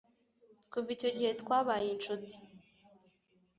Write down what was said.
kuva icyo gihe, twabaye inshuti